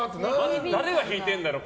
誰が弾いてるんだろう